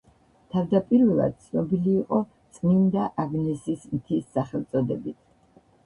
თავდაპირველად ცნობილი იყო „წმინდა აგნესის მთის“ სახელწოდებით.